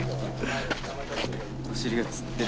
お尻がつってる。